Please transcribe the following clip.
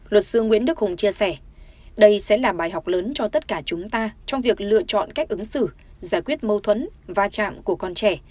luật sư nguyễn đức hùng chia sẻ đây sẽ là bài học lớn cho tất cả chúng ta trong việc lựa chọn cách ứng xử giải quyết mâu thuẫn và chạm của con trẻ